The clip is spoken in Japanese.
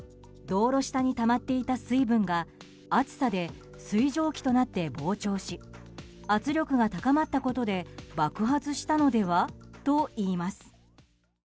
道路下にたまっていた水分が暑さで水蒸気となって膨張し圧力が高まったことで爆発したのではといいます。